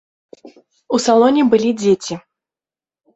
У салоне былі дзеці.